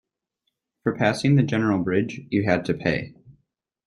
For passing the general bridge, you had to pay.